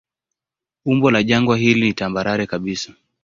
Umbo la jangwa hili ni tambarare kabisa.